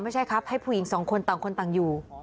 ไม่ใช่ครับให้ผู้หญิงสองคนต่างคนต่างอยู่